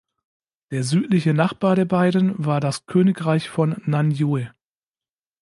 Der südliche Nachbar der beiden war das Königreich von Nan-Yue.